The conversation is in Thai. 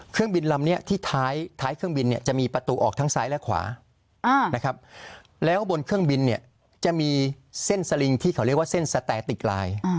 เครื่องบินลำนี้ที่ท้ายเครื่องบินเนี่ยจะมีประตูออกทั้งซ้ายและขวานะครับแล้วบนเครื่องบินเนี่ยจะมีเส้นสลิงที่เขาเรียกว่าเส้นสแตติกลาย